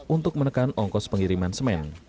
untuk menekan ongkos pengiriman semen